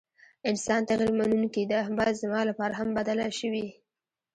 انسان تغير منونکي ده ، بايد زما لپاره هم بدله شوې ،